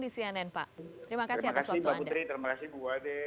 terima kasih mbak putri terima kasih bu ade